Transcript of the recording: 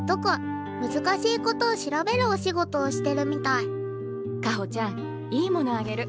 難しいことを調べるお仕事をしてるみたい香歩ちゃんいいものあげる。